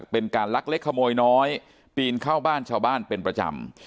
เป็นการลักเล็กขโมยน้อยปีนเข้าบ้านชาวบ้านเป็นประจำ